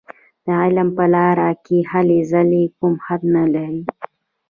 د علم په لاره کې هلې ځلې کوم حد نه لري.